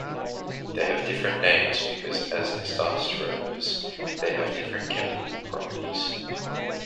They have different names because, as diastereomers, they have different chemical properties.